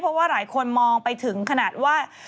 เพราะว่าหลายคนมองไปถึงขนาดว่า